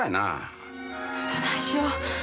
どないしよう。